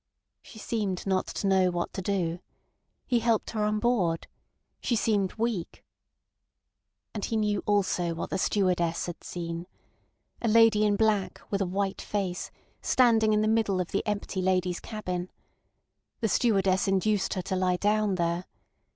She seemed not to know what to do. He helped her on board. She seemed weak." And he knew also what the stewardess had seen: A lady in black with a white face standing in the middle of the empty ladies' cabin. The stewardess induced her to lie down there.